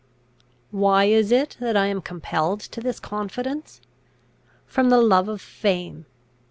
"Why is it that I am compelled to this confidence? From the love of fame.